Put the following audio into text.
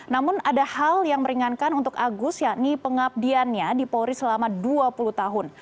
namun ada hal yang meringankan untuk agus yakni pengabdiannya di polri selama dua puluh tahun